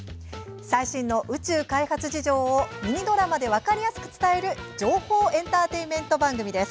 最新の宇宙開発事情をミニドラマで分かりやすく伝える情報エンターテインメント番組です。